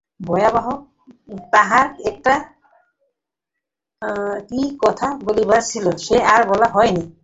তাহার নিজের একটা কী কথা বলিবার ছিল, সে আর বলা হইল না।